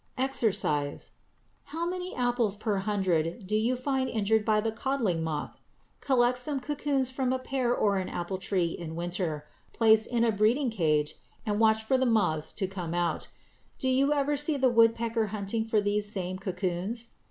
=EXERCISE= How many apples per hundred do you find injured by the codling moth? Collect some cocoons from a pear or an apple tree in winter, place in a breeding cage, and watch for the moths that come out. Do you ever see the woodpecker hunting for these same cocoons?